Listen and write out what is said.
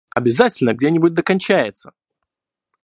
Обязательно где-нибудь да кончается!